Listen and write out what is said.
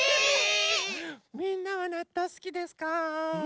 みんなはなっとうすきですか？